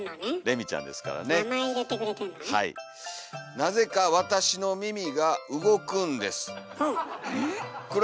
「なぜかわたしの耳が動くんです」。